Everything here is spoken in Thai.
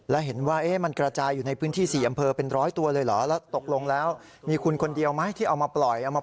แล้วเห็นว่ามันกระจายอยู่ในพื้นที่๔อำเภอเป็นร้อยตัวเลยเหรอแล้วตกลงแล้วมีคุณคนเดียวไหมที่เอามาปล่อยเอามา